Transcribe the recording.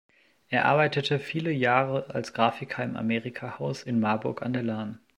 Er arbeitete viele Jahre als Grafiker im Amerikahaus in Marburg an der Lahn.